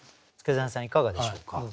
祐真さんいかがでしょうか？